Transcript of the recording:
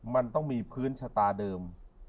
มันต้องมีพื้นชะตาเดิม